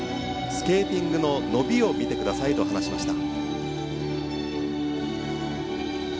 スケーティングの伸びを見てくださいと話しました。